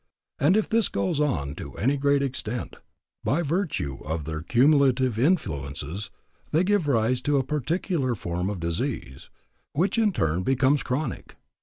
And if this goes on to any great extent, by virtue of their cumulative influences, they give rise to a particular form of disease, which in turn becomes chronic.